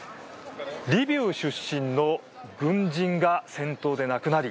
リビウ出身の軍人が戦闘で亡くなり